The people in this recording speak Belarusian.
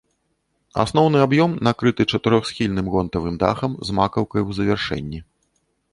Асноўны аб'ём накрыты чатырохсхільным гонтавым дахам з макаўкай у завяршэнні.